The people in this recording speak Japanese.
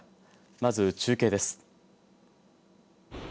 まず中継です。